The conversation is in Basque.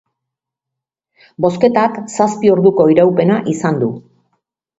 Bozketak zazpi orduko iraupena izan du.